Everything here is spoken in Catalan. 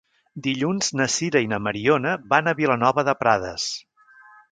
Dilluns na Sira i na Mariona van a Vilanova de Prades.